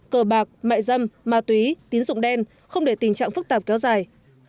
cờ bạc mại dâm ma túy tín dụng đen không để tình trạng phức tạp kéo dài